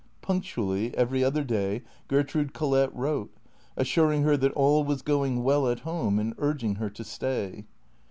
Punctually, every other day Ger trude Collett wrote, assuring her that all was going well at home and urging her to stay.